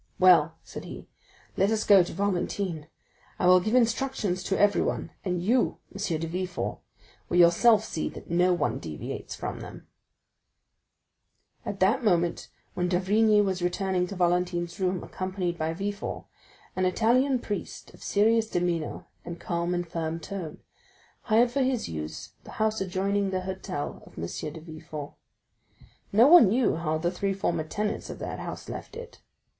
"Well," said he, "let us go to Valentine; I will give instructions to everyone, and you, M. de Villefort, will yourself see that no one deviates from them." 40294m At the moment when d'Avrigny was returning to Valentine's room, accompanied by Villefort, an Italian priest, of serious demeanor and calm and firm tone, hired for his use the house adjoining the hotel of M. de Villefort. No one knew how the three former tenants of that house left it.